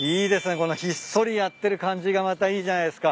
このひっそりやってる感じがまたいいじゃないっすか。